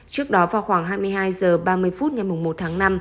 trước đó vào khoảng hai mươi hai h ba mươi phút ngày một tháng năm